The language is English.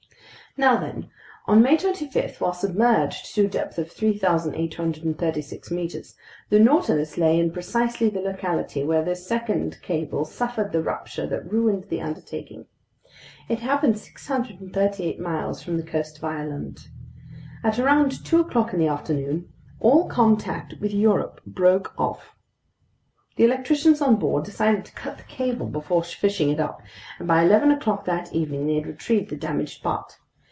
Now then, on May 25 while submerged to a depth of 3,836 meters, the Nautilus lay in precisely the locality where this second cable suffered the rupture that ruined the undertaking. It happened 638 miles from the coast of Ireland. At around two o'clock in the afternoon, all contact with Europe broke off. The electricians on board decided to cut the cable before fishing it up, and by eleven o'clock that evening they had retrieved the damaged part.